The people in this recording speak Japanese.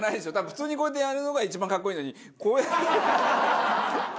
普通にこうやってやるのが一番格好いいのにこうやって。